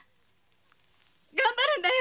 頑張るんだよ